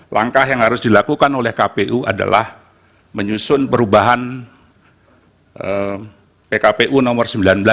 langkah yang harus dilakukan oleh kpu adalah menyusun perubahan pkpu nomor sembilan belas dua ribu dua puluh tiga